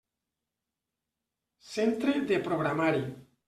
Centre de programari.